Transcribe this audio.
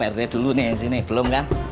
yuk rumah prd dulu nih yang sini belum kan